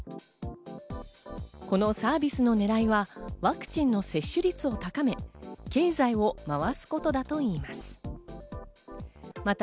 このサービスのねらいはワクチンの接種率を高め、経済を回すことだといいます。